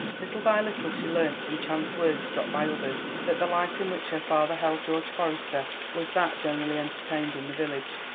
Little by little she learnt, from chance words dropped by others, that the light in which her father held George Forester was that generally entertained in the village.